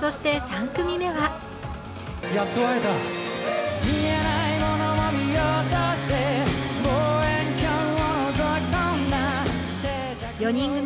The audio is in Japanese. そして３組目は４人組